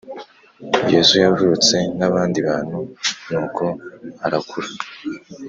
Yesu yavutse nk’abandi bantu nuko arakura